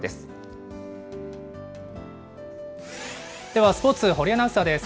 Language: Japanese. ではスポーツ、堀アナウンサーです。